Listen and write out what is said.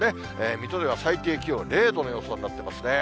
水戸では最低気温０度の予想になってますね。